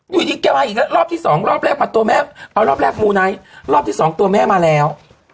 อยู่ดีแกมาอีกแล้วรอบที่สองรอบแรกมาตัวแม่เอารอบแรกมูไนท์รอบที่สองตัวแม่มาแล้ว